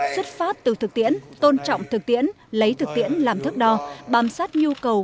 xuất phát từ thực tiễn tôn trọng thực tiễn lấy thực tiễn làm thức đo bám sát nhu cầu